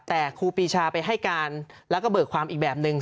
แต่ครูปีชาไปให้การแล้วก็เบิกความอีกแบบนึง